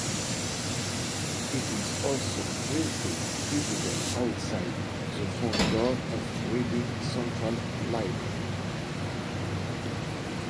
It is also briefly visible outside the front door of Reading Central Library.